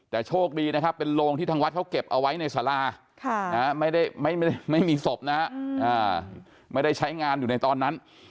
แต่โชคดีนะครับเป็นโรงที่ทางวัดเขาเก็บเอาไว้ในสาราไม่มีศพนะฮะไม่ได้ใช้งานอยู่ในตอนนั้น